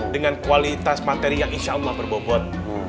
dengan kualitas materi yang insya allah berbobot